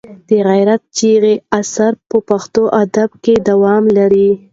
د غیرت چغې اثر په پښتو ادب کې دوام لري.